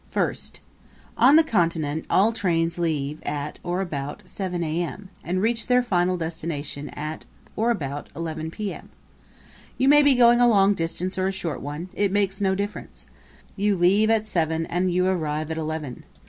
First On the Continent all trains leave at or about seven A.M. and reach their destination at or about eleven P.M. You may be going a long distance or a short one it makes no difference; you leave at seven and you arrive at eleven.